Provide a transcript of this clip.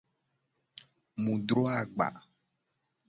Mu dro agba.